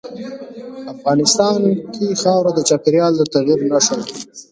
افغانستان کې خاوره د چاپېریال د تغیر نښه ده.